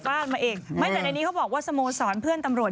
มาเองไม่แต่ในนี้เขาบอกว่าสโมสรเพื่อนตำรวจ